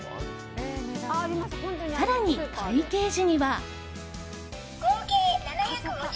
更に会計時には。